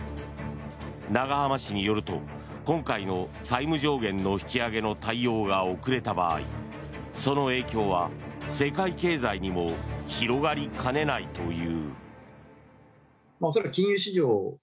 永濱氏によると今回の債務上限の引き上げの対応が遅れた場合その影響は世界経済にも広がりかねないという。